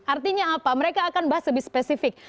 artinya apa mereka akan bahas lebih spesifik